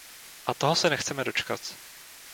A toho se nechceme dočkat.